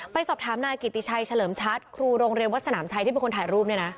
ไปสอบถามนายกิติชัยเฉลิมชัดครูโรงเรียนวัดสนามชัยที่เป็นคนถ่ายรูปเนี่ยนะ